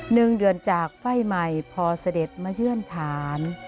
หนึ่งเดือนจากไฟล์ใหม่พอเสด็จมาเยื่อนฐาน